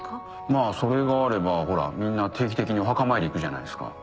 まぁそれがあればみんな定期的にお墓参り行くじゃないですか。